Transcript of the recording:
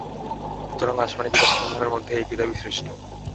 সুতরাং আসমানী কিতাবসমূহের মধ্যে এ কিতাবই শ্রেষ্ঠ।